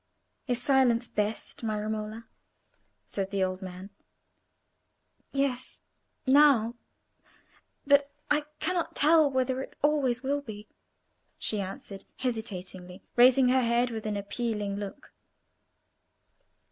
"Is silence best, my Romola?" said the old man. "Yes, now; but I cannot tell whether it always will be," she answered, hesitatingly, raising her head with an appealing look.